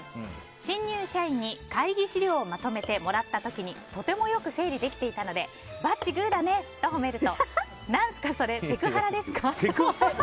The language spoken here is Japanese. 新入社員に会議資料をまとめてもらった時にとてもよく整理できていたのでバッチグーだねと褒めると何すかそれセクハラですかと。